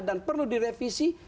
dan perlu direvisi